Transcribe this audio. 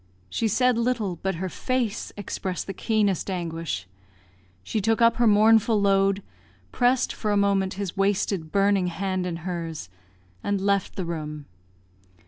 She said little, but her face expressed the keenest anguish; she took up her mournful load, pressed for a moment his wasted, burning hand in hers, and left the room.